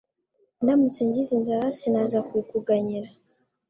Ndamutse ngize inzara sinaza kubikuganyira